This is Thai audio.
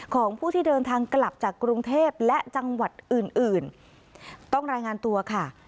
ของผู้ที่เดินทางกลับจากกรุงเทพและจังหวัดอื่นอื่นต้องรายงานตัวค่ะ